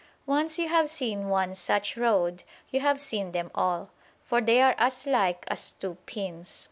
Once you have seen one such road you have seen them all, for they are as like as two pins.